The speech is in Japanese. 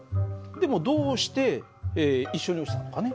でもどうして一緒に落ちたのかね？